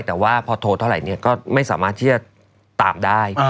แต่ว่าพอโทรเท่าไหร่ก็ไม่สามารถที่จะตามได้